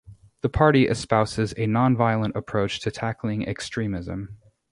The party espouses a nonviolent approach to tackling extremism.